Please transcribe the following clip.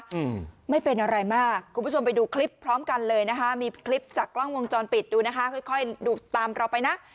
อืมไม่เป็นอะไรมากคุณผู้ชมไปดูคลิปพร้อมกันเลยนะคะมีคลิปจากกล้องวงจรปิดดูนะคะค่อยค่อยดูตามเราไปนะ